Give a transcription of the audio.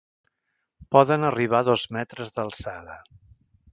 Poden arribar a dos metres d'alçada.